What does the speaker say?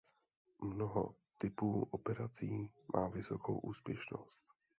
Mnoho typů operací má vysokou úspěšnost.